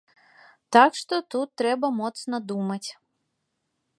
Так што тут трэба моцна думаць.